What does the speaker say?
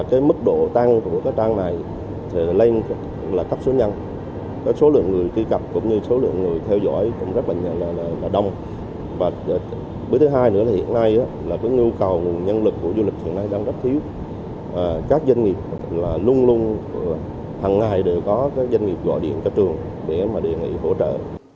các doanh nghiệp luôn luôn hằng ngày đều có các doanh nghiệp gọi điện cho trường để mà đề nghị hỗ trợ